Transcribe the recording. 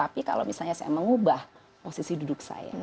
misalnya saya mengubah posisi duduk saya